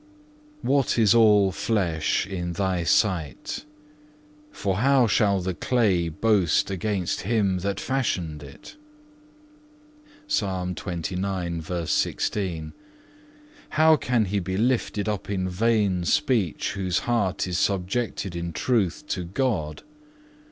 4. What is all flesh in Thy sight? _For how shall the clay boast against Him that fashioned it?_(2) How can he be lifted up in vain speech whose heart is subjected in truth to God?